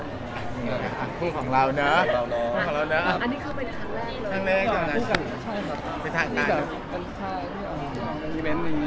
มึงของเราเนอะของเราเนอะอันนี้เข้าไปครั้งแรกเนอะสินท้ายตาม